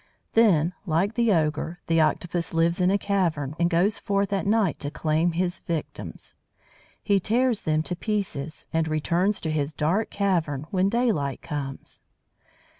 Then, like the ogre, the Octopus lives in a cave, and goes forth at night to claim his victims. He tears them to pieces, and returns to his dark cavern when daylight comes.